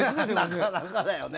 なかなかだよね。